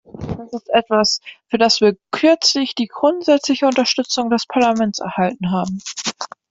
Dies ist etwas, für das wir kürzlich die grundsätzliche Unterstützung des Parlaments erhalten haben.